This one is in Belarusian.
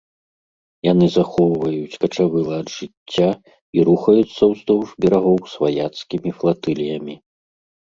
Яны захоўваюць качавы лад жыцця і рухаюцца ўздоўж берагоў сваяцкімі флатыліямі.